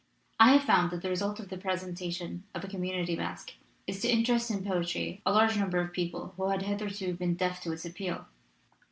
I have found that the result of the presentation of a community masque is to interest in poetry a large number of people who had hitherto been deaf to its appeal.